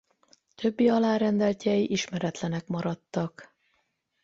Többi alárendeltjei ismeretlenek maradtak.